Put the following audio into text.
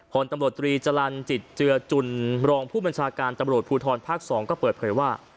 ผลตำรวจตรีจรรย์จิตเจือจุนรองผู้บัญชาการตำรวจภูทรภาค๒ก็เปิดเผยว่า